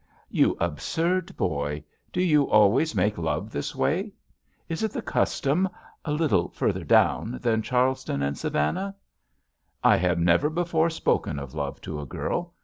"You absurd boyl Do you always make love this way? Is it the custom — *a little further down' than Charleston and Savan nah?" "I have never before spoken of love to a girl.